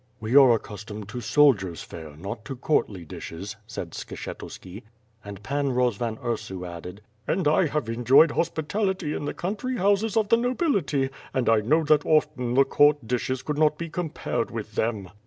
'*We are accustomed to soldier's fare, not to courtly dishes," said Skshetuski. And Pan Rozvan Ursu added: "And I have enjoyed hospitality in the country houses of the nobility; and I know that often the court dishes could not be compared with them."